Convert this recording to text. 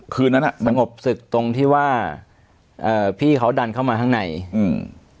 คืนนั้นอ่ะสงบศึกตรงที่ว่าเอ่อพี่เขาดันเข้ามาข้างในอืม